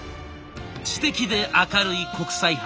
知的で明るい国際派。